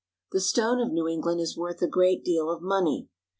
The stone of New England is worth a great deal of money.